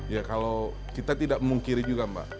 ya kalau kita tidak memungkiri juga mbak